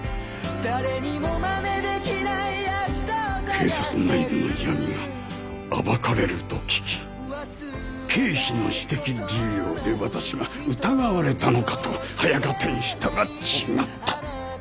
警察内部の闇が暴かれると聞き経費の私的流用で私が疑われたのかと早合点したが違った。